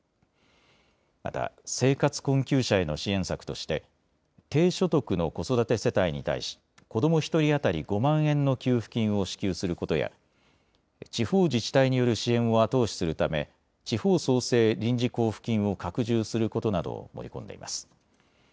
また生活困窮者への支援策として低所得の子育て世帯に対し子ども１人当たり５万円の給付金を支給することや地方自治体による支援を後押しするため地方創生臨時交付金を拡充することなどを盛り込んでいます。